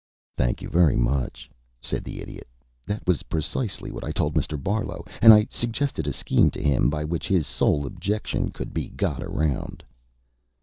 "Thank you very much," said the Idiot. "That was precisely what I told Mr. Barlow, and I suggested a scheme to him by which his sole objection could be got around."